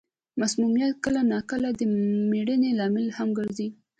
مسمومیت کله نا کله د مړینې لامل هم ګرځي.